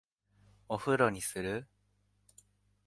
お風呂にする？